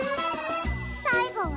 さいごは。